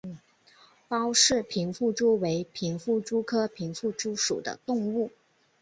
包氏平腹蛛为平腹蛛科平腹蛛属的动物。